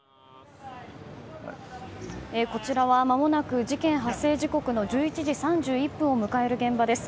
こちらは間もなく事件発生時刻の１１時３１分を迎える現場です。